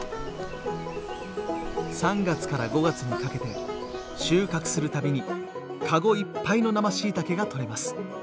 ３月から５月にかけて収穫するたびに籠いっぱいの生しいたけがとれます。